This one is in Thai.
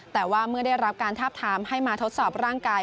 แต่ว่าเมื่อได้รับการทาบทามให้มาทดสอบร่างกาย